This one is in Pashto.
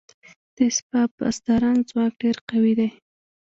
د سپاه پاسداران ځواک ډیر قوي دی.